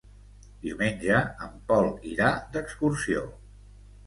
Diumenge en Pol irà d'excursió.